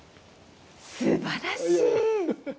すばらしい！